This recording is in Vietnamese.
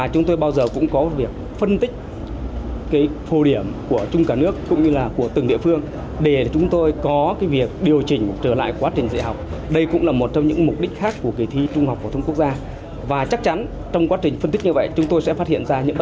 hội đồng chấm thẩm định bài thi trắc nghiệm kỳ thi trung học phổ thông quốc gia hai nghìn một mươi tám